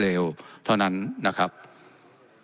และยังเป็นประธานกรรมการอีก